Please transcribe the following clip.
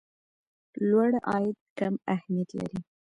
لوړ عاید کم اهميت لري.